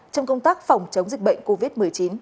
trong công tác phòng chống dịch bệnh covid một mươi chín